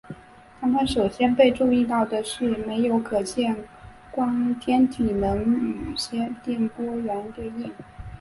它们首先被注意到没有可见光天体能与些电波源对应。